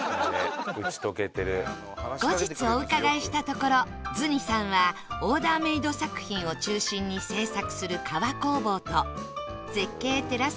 「打ち解けてる」後日お伺いしたところ ＺＵＮＩ さんはオーダーメイド作品を中心に製作する革工房と絶景テラス